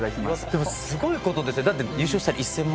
でもすごいことですよねだって。